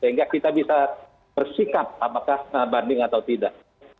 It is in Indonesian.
sehingga kita bisa bersikap apakah banding atau tidak